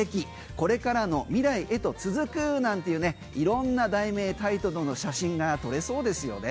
「これからの未来へと続く」なんていう色んな題名、タイトルの写真が撮れそうですよね。